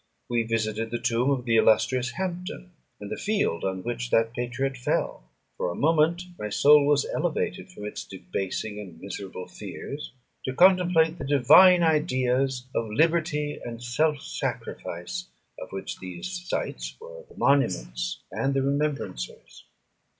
We visited the tomb of the illustrious Hampden, and the field on which that patriot fell. For a moment my soul was elevated from its debasing and miserable fears, to contemplate the divine ideas of liberty and self sacrifice, of which these sights were the monuments and the remembrancers.